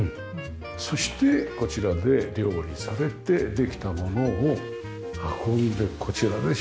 そしてこちらで料理されてできたものを運んでこちらで食事というね。